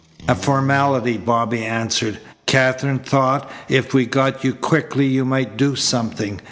"A formality," Bobby answered. "Katherine thought if we got you quickly you might do something.